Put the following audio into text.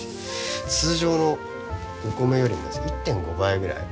通常のお米よりも１．５倍ぐらい。